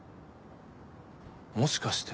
もしかして。